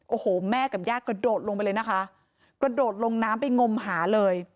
โอ้โหแม่กับญาติกระโดดลงไปเลยนะคะกระโดดลงน้ำไปงมหาเลย